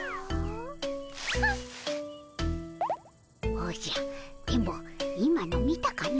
おじゃ電ボ今の見たかの。